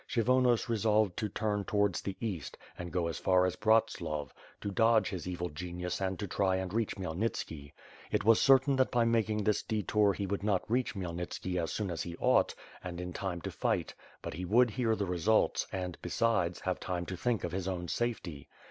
Kshy vonos resolved to turn towards the East, and go as far as Bratslav, to dodge his evil genius and to try and reach Khmy elnitski. It was certain that by making this detour He would not reach Khmyelnitski as soon as he ought, and in time to fight; but he would hear the results and, besides, have time to think of his own safety.